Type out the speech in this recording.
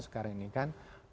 sekarang ini kan